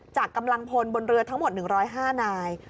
กำลังพลบนเรือทั้งหมด๑๐๕นาย